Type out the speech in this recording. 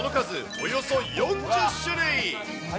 およそ４０種類。